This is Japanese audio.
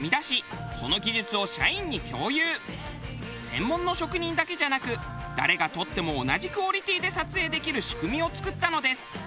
専門の職人だけじゃなく誰が撮っても同じクオリティで撮影できる仕組みを作ったのです。